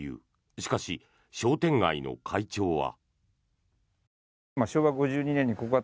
しかし、商店街の会長は。